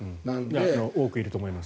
多くいると思います。